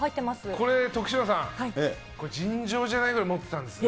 これ、徳島さん、尋常じゃないぐらいもてたんですよ。